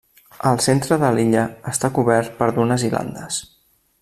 El centre de l'illa està cobert per dunes i landes.